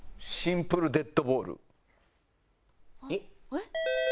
えっ！